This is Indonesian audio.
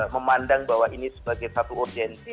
memandang bahwa ini sebagai satu urgensi